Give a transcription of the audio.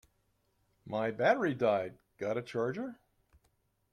My battery died, got a charger?